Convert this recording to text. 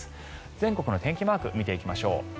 全国の天気マークを見ていきましょう。